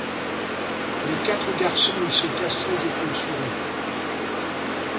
Les quatre garçons y sont castrés et tonsurés.